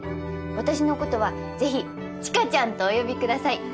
私のことはぜひ知花ちゃんとお呼びください。